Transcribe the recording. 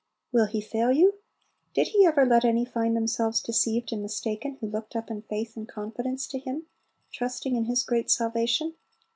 Will He fail you? Did He ever let any find themselves deceived and mistaken who looked up in faith and confidence to Him, trusting in His great salvation?